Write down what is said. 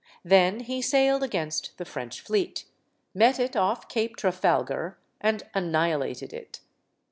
Then he sailed against the French fleet, met it off Cape Trafalgar, and annihilated it.